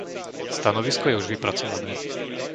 Stanovisko je už vypracované.